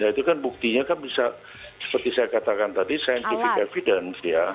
itu kan buktinya kan bisa seperti saya katakan tadi scientific evidence ya